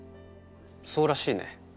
そうらしいね。